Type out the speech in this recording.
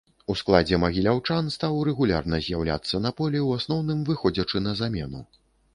У складзе магіляўчан стаў рэгулярна з'яўляцца на полі, у асноўным выходзячы на замену.